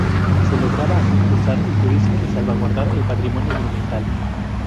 Se lograba así impulsar el turismo y salvaguardar el patrimonio monumental.